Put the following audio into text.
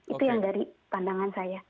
itu yang dari pandangan saya